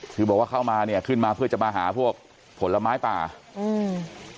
คือบอกว่าเข้ามาเนี้ยขึ้นมาเพื่อจะมาหาพวกผลไม้ป่าอืม